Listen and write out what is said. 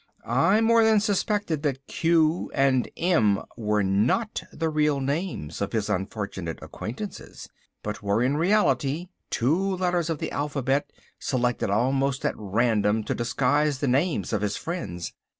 I more than suspected that Q and M were not the real names of his unfortunate acquaintances, but were in reality two letters of the alphabet selected almost at random to disguise the names of his friends.